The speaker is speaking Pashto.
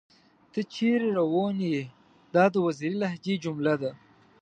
تۀ چېرې راوون ئې ؟ دا د وزيري لهجې جمله ده